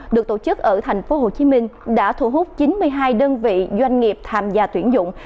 được tổ chức ở thành phố hồ chí minh đã thu hút chín mươi hai đơn vị doanh nghiệp tham gia tuyển dụng